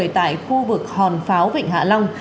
tại khu vực hòn pháo vịnh hạ long